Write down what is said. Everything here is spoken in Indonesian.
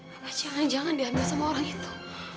karena jangan jangan diambil sama orang itu